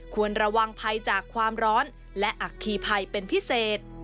ควรระวังภัยจากความร้อนและอัคคีภัยเป็นพิเศษ